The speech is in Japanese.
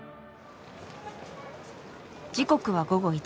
時刻は午後１時。